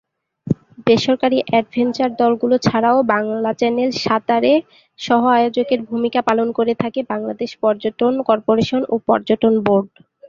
বেসরকারী অ্যাডভেঞ্চার দলগুলো ছাড়াও বাংলা চ্যানেল সাঁতারে সহ-আয়োজকের ভূমিকা পালন করে থাকে বাংলাদেশ পর্যটন করপোরেশন ও পর্যটন বোর্ড।